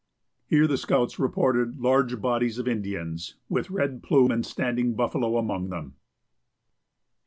Here the scouts reported large bodies of Indians, with Red Plume and Standing Buffalo among them.